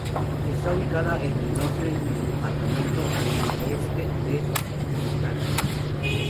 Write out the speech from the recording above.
Está ubicada en el norte del departamento, a al noreste de Montargis.